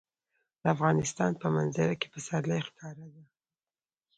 د افغانستان په منظره کې پسرلی ښکاره ده.